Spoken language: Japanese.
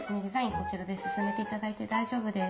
こちらで進めていただいて大丈夫です。